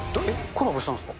コラボしたんですか？